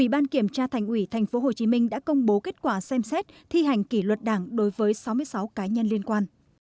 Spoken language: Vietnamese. ủy ban kiểm tra thành ủy tp hcm đã công bố kết quả xem xét thi hành kỷ luật đảng đối với sáu mươi sáu cá nhân liên quan